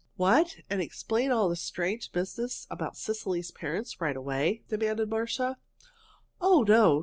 "What? And explain all this strange business about Cecily's parents right away?" demanded Marcia. "Oh, no!